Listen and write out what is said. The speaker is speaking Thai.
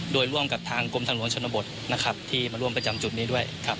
โดยร่วมกับทางกรมทางหลวงชนบทนะครับที่มาร่วมประจำจุดนี้ด้วยครับ